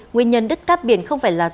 nguyên nhân đứt cáp biển không phải là nguy cơ